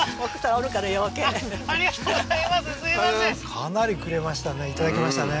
かなりくれましたね